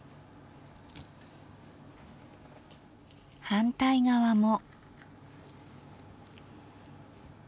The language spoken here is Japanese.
反対側も。